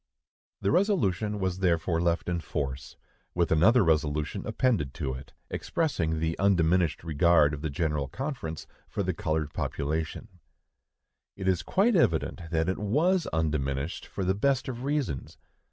The resolution was therefore left in force, with another resolution appended to it, expressing the undiminished regard of the General Conference for the colored population. It is quite evident that it was undiminished, for the best of reasons.